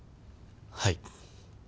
はい。